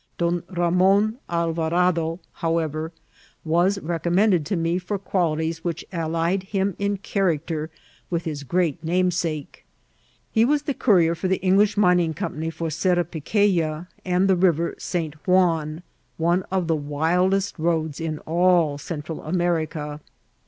D<m Ramon Alvarado, however, was recommended to me for qualities which allied him in character with his great namesake. He was the courier of the English Mining Company for Serapequea and the River St Juan, one of the wildest roads in all Central America.